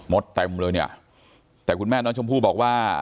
เต็มเลยเนี่ยแต่คุณแม่น้องชมพู่บอกว่า